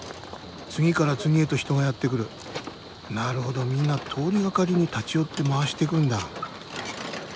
なるほどみんな通りがかりに立ち寄って回していくんだ。